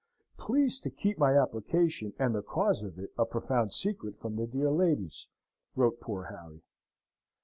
"Please to keep my application, and the cause of it, a profound secret from the dear ladies," wrote poor Harry.